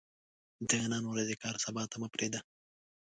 د نن ورځې کار سبا ته مه پريږده